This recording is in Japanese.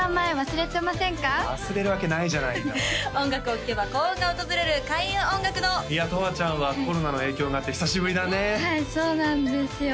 忘れるわけないじゃないの音楽を聴けば幸運が訪れる開運音楽堂いやとわちゃんはコロナの影響があって久しぶりだねはいそうなんですよ